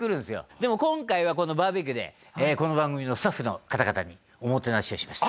でも今回はこのバーベキューでこの番組のスタッフの方々におもてなしをしました。